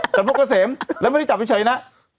ลุงพฟกระเสมไม่จับเฉยนะ